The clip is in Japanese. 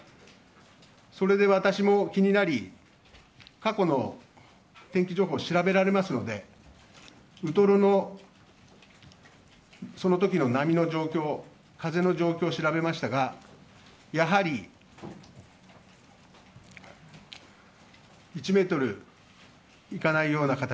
それで私も気になり過去の天気情報を調べられますのでウトロのその時の波の状況風の状況を調べましたがやはり１ｍにいかないような形。